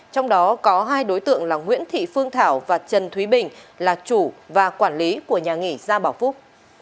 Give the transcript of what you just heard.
trong đó có hai đối tượng là nguyễn thị phương thảo và trần thúy bình là chủ và quản lý của nhà nghỉ gia bảo phúc